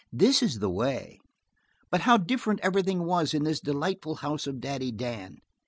This is the way " But how different everything was in this delightful house of Daddy Dan!